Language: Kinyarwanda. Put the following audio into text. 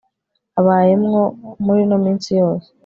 abayemwo murino misi yose